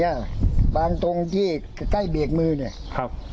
เนี่ยวางตรงที่ใกล้เบียกมือเนี่ยครับ